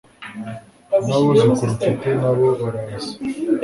Nabuzukuru mfite nabo baraza